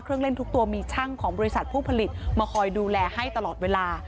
เครื่องเล่นทุกตัวมีช่างของบริษัทผู้ผลิตมาคอยดูแลให้ตลอดเวลา